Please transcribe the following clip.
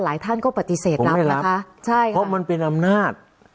หลายท่านก็ปฏิเสธรับนะคะใช่ค่ะเพราะมันเป็นอำนาจ